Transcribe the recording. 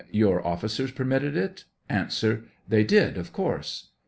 Your officers permitted it ? A. They did, of course.